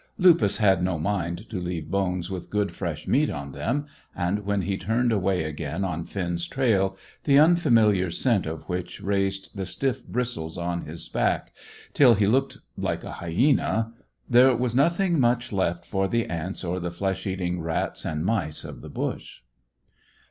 Lupus had no mind to leave bones with good fresh meat on them, and when he turned away again on Finn's trail, the unfamiliar scent of which raised the stiff bristles on his back till he looked like a hyæna, there was nothing much left for the ants or the flesh eating rats and mice of the bush.